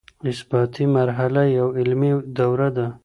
اثباتي مرحله يوه علمي دوره ده.